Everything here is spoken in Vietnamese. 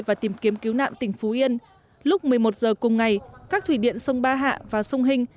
và tìm kiếm cứu nạn tỉnh phú yên lúc một mươi một h cùng ngày các thủy điện sông ba hạ và sông hình